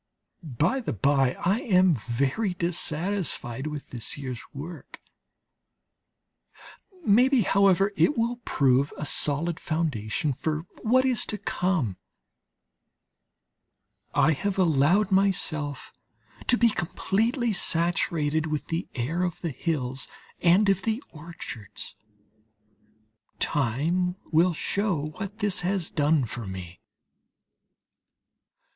By the bye, I am very dissatisfied with this year's work; maybe, however, it will prove a sound foundation for what is to come. I have allowed myself to be completely saturated with the air of the hills and of the orchards; time will show what this has done for me.